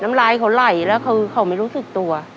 น้ำลายเขาไหลแล้วคือเขาไม่รู้สึกตัว